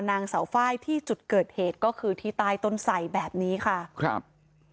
นางเสาไฟที่จุดเกิดเหตุก็คือที่ใต้ต้นไสแบบนี้ค่ะครับ